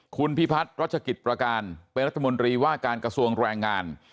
คุณพิพัฒน์รัชกิจประการเป็นรัฐมนตรีว่าการกระทรวงแรงงาน